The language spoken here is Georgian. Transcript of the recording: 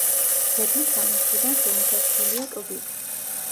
ძეგლი სამი მხრიდან შემოსაზღვრულია კლდით.